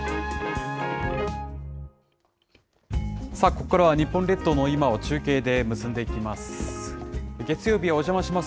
ここからは、日本列島の今を中継で結んでいきます。